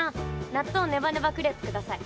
納豆ネバネバクレープ下さい。